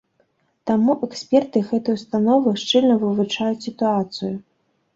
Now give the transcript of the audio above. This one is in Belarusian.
Таму эксперты гэтай установы шчыльна вывучаюць сітуацыю.